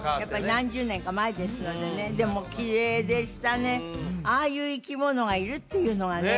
何十年か前ですのでねでもきれいでしたねああいう生き物がいるっていうのがね